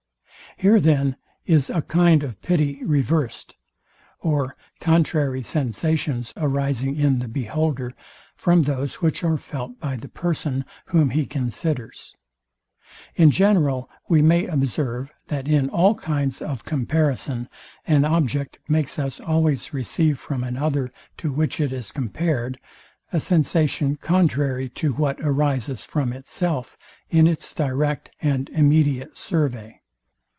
Here then is a kind of pity reverst, or contrary sensations arising in the beholder, from those which are felt by the person, whom he considers. In general we may observe, that in all kinds of comparison an object makes us always receive from another, to which it is compared, a sensation contrary to what arises from itself in its direct and immediate survey.